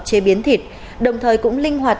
chế biến thịt đồng thời cũng linh hoạt